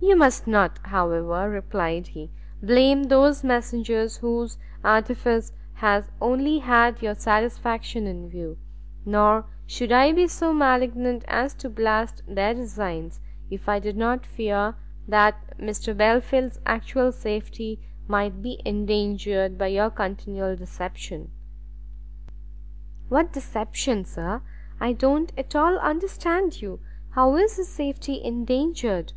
"You must not, however," replied he, "blame those messengers whose artifice has only had your satisfaction in view; nor should I be so malignant as to blast their designs, if I did not fear that Mr Belfield's actual safety may be endangered by your continual deception." "What deception, sir? I don't at all understand you. How is his safety endangered?"